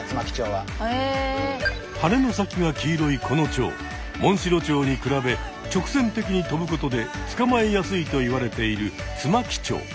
はねの先が黄色いこのチョウモンシロチョウに比べ直線的に飛ぶことでつかまえやすいといわれているツマキチョウ。